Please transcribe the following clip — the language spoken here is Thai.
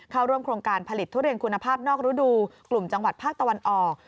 เข้าร่วมโครงการผลิตทุเรียนคุณภาพนอกรูดูกลุ่มจังหวัดภาคตะวันออก